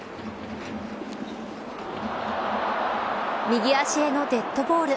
右足へのデッドボール。